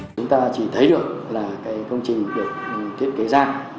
chúng ta chỉ thấy được là cái công trình được thiết kế ra